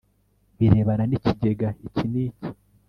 birebana n ikigega iki n iki